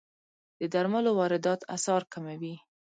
د درملو واردات اسعار کموي.